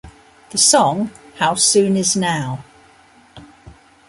The song How Soon Is Now?